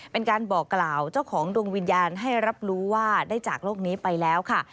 เป็นการบอกกล่าวเจ้าของดวงวิญญาณให้รับรู้ว่าได้จากโลกนี้ไปแล้วค่ะ